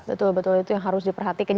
betul betul itu yang harus diperhatikan